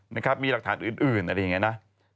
นะครับมีหลักฐานอื่นอะไรอย่างนี้นะ